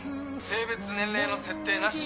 性別年齢の設定なし。